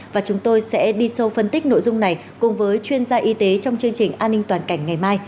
và chúng tôi sẽ đi sâu phân tích nội dung này cùng với chuyên gia y tế trong chương trình an ninh toàn cảnh ngày mai